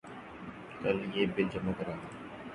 کل یہ بل جمع کرادیں